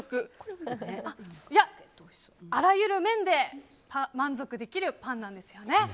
あらゆる面で満足できるパンなんですよね？